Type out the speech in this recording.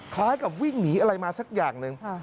คล้ายกับวิ่งหนีอะไรมาสักอย่างหนึ่ง